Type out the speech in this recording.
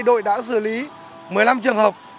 đội đã xử lý một mươi năm trường hợp